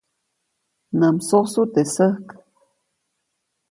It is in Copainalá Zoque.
Nä msosu teʼ säjk.